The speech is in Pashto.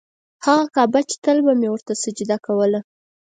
هغه کعبه چې تل به مې ورته سجده کوله.